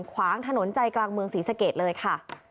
ขวางถนนใจกลางเมืองศรีสเกตเลยค่ะ